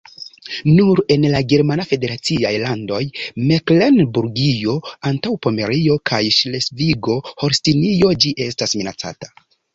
Nur en la germana federaciaj landoj Meklenburgio-Antaŭpomerio kaj Ŝlesvigo-Holstinio ĝi estas minacata.